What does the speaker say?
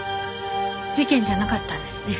事件じゃなかったんですね。